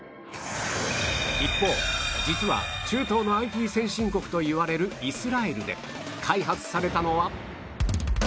一方実は中東の ＩＴ 先進国といわれるイスラエルで開発されたのは